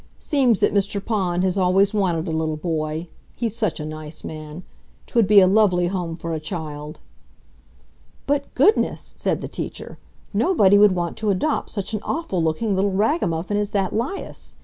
Seems that Mr. Pond has always wanted a little boy. He's such a nice man! 'Twould be a lovely home for a child." "But goodness!" said the teacher. "Nobody would want to adopt such an awful looking little ragamuffin as that 'Lias.